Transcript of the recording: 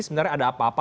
sebenarnya ada apa apa